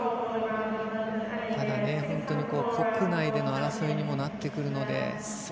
ただ、本当に国内の争いにもなってくるので。